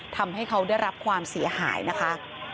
ทำให้เขาได้รับความเสียหายนะคะ